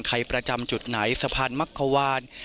ใครประจำจุดไหนศพรรคมักภาวัล